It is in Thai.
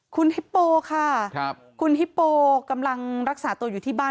คุณฮิปโปค่ะคุณฮิปโปกำลังรักษาตัวอยู่ที่บ้าน